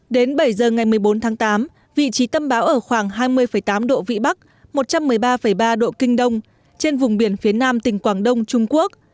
đến bảy giờ ngày một mươi bốn tháng tám vị trí tâm bão ở khoảng hai mươi tám độ vĩ bắc một trăm một mươi ba ba độ kinh đông trên vùng biển phía nam tỉnh quảng đông trung quốc